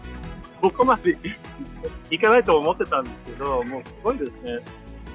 そこまでいかないと思ってたんですけど、もうすごいですね。